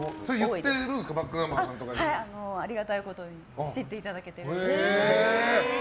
ありがたいことに知っていただけています。